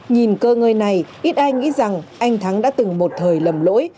nhìn cơ ngơi này ít ai nghĩ rằng anh thắng đã từng một thời lầm lỗi